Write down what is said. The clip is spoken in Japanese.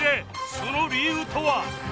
その理由とは？